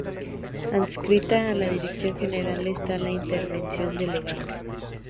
Adscrita a la Dirección General está la Intervención Delegada.